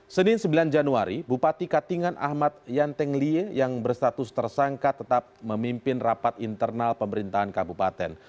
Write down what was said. senin sembilan januari bupati katingan ahmad yantenglie yang berstatus tersangka tetap memimpin rapat internal pemerintahan kabupaten